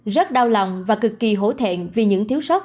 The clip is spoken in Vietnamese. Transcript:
rất đau lòng và cực kỳ hổ thẹn vì những thiếu sót